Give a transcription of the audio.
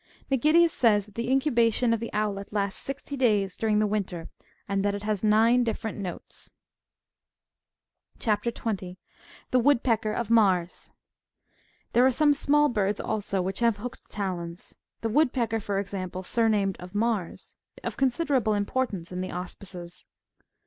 Mgidius says, that the incubation of the owlet lasts sixty days, during the winter, and that it has nine differ ent notes. CHAP. 20. (18.) THE WOOD PECKER OF MAES. There are some small birds also, which have hooked talons ; the wood pecker, for example, surnamed '' of Mars," of con siderable importance in the auspices.